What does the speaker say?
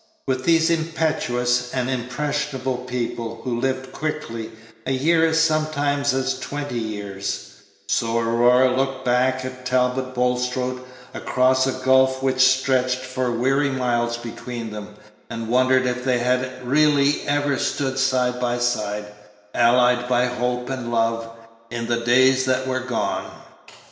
With these impetuous and impressionable people, who live quickly, a year is sometimes as twenty years; so Aurora looked back at Talbot Bulstrode across a gulf which stretched for weary miles between them, and wondered if they had really ever stood side by side, allied by hope and love, in the days that were gone.